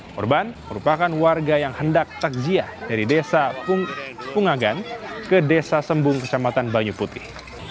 korban merupakan warga yang hendak takziah dari desa pungagan ke desa sembung kecamatan banyu putih